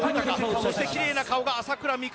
そしてきれいな顔が朝倉未来。